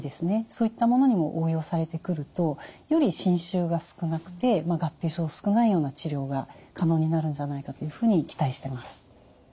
そういったものにも応用されてくるとより侵襲が少なくて合併症も少ないような治療が可能になるんじゃないかというふうに期待してます。